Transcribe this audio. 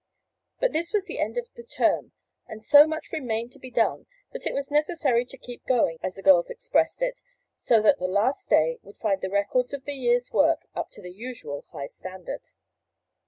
But this was the end of the term and so much remained to be done that it was necessary to "keep going" as the girls expressed it, so that the "last day" would find the records of the year's work up to the usual high standard.